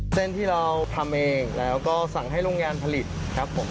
เส้นที่เราทำเองแล้วก็สั่งให้โรงงานผลิตครับผม